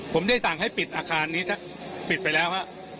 ผมได้สั่งให้ปิดอาคารนี้ปิดไปแล้วฮะ